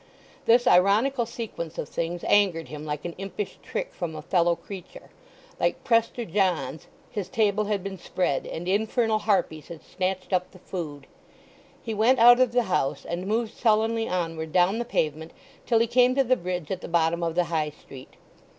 This ironical sequence of things angered him like an impish trick from a fellow creature. Like Prester John's, his table had been spread, and infernal harpies had snatched up the food. He went out of the house, and moved sullenly onward down the pavement till he came to the bridge at the bottom of the High Street.